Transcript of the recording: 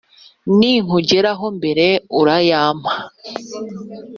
Ninkugeraho mbere urayampa